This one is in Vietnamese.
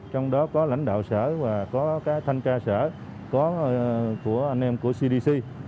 trong đó có lãnh đạo sở và có thanh tra sở có của anh em của cdc